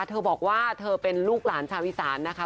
เธอบอกว่าเธอเป็นลูกหลานชาวอีสานนะคะ